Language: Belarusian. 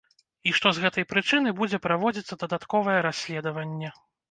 І што з гэтай прычыны будзе праводзіцца дадатковае расследаванне.